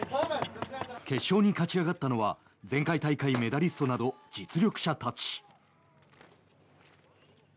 決勝に勝ち上がったのは前回大会メダリストなど実力者たち。